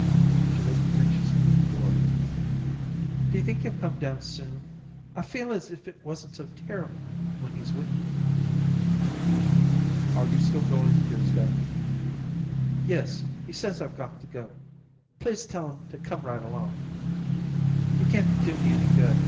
She looked anxiously at the door. "D'you think he'll come down soon? I feel as if it wasn't so terrible when he's with me." "Are you still going on Tuesday?" "Yes, he says I've got to go. Please tell him to come right along. You can't do me any good.